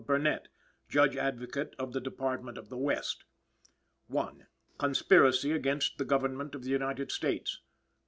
Burnett, Judge Advocate of the Department of the West: 1. Conspiracy against the Government of the United States.